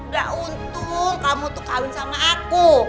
gak untung kamu tuh kawin sama aku